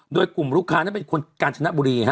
โดยกลุ่มลูกค้านั้นเป็นคนกาญจนบุรี